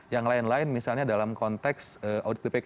yang lain lain misalnya dalam konteks audit bpk